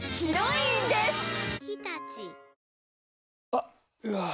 あっ、うわー。